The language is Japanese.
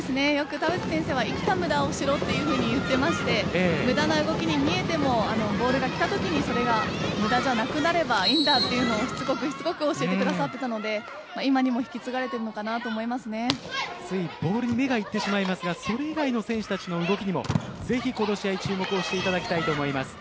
田渕先生は生きた無駄をしろと言っていまして無駄な動きに見えてもボールが来たときにそれが無駄じゃなくなればいいんだというのを、しつこく教えてくださったので今にも引き継がれているのかなとついボールに目がいってしまいますがそれ以外の選手たちの動きにもぜひこの試合注目をしていただきたいと思います。